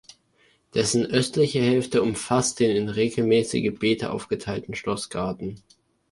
Dessen östliche Hälfte umfasste den in regelmäßige Beete aufgeteilten Schlossgarten.